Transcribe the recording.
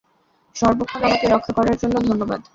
সর্বক্ষণ আমাকে রক্ষা করার জন্য ধন্যবাদ।